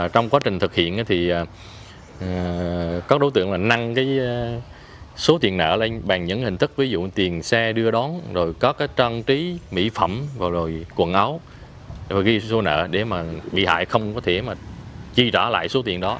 trong quá trình thực hiện thì các đối tượng năng số tiền nợ lên bằng những hình thức ví dụ tiền xe đưa đón rồi có cái trang trí mỹ phẩm rồi quần áo rồi và ghi số nợ để mà bị hại không có thể chi trả lại số tiền đó